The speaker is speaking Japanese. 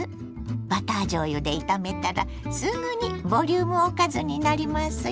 バターじょうゆで炒めたらすぐにボリュームおかずになりますよ。